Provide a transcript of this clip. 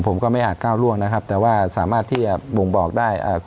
ผมก็ไม่อาจก้าวล่วงนะครับแต่ว่าสามารถที่จะบ่งบอกได้เอ่อ